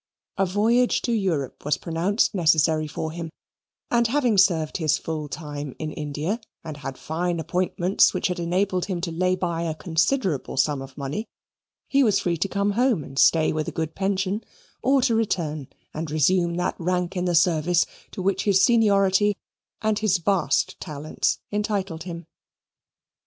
A voyage to Europe was pronounced necessary for him and having served his full time in India and had fine appointments which had enabled him to lay by a considerable sum of money, he was free to come home and stay with a good pension, or to return and resume that rank in the service to which his seniority and his vast talents entitled him.